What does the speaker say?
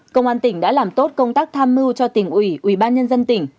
công an tỉnh đã làm tốt công tác tham mưu cho tỉnh ủy ủy ban nhân dân tỉnh